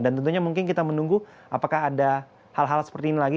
dan tentunya mungkin kita menunggu apakah ada hal hal seperti ini lagi